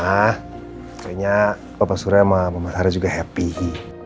kayaknya papa surya sama mama sarah juga happy